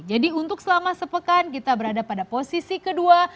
jadi untuk selama sepekan kita berada pada posisi kedua